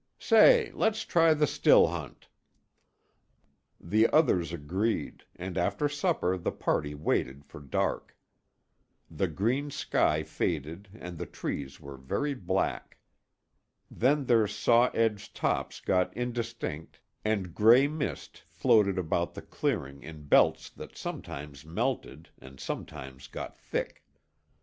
Say, let's try the still hunt!" The others agreed and after supper the party waited for dark. The green sky faded and the trees were very black. Then their saw edged tops got indistinct and gray mist floated about the clearing in belts that sometimes melted and sometimes got thick.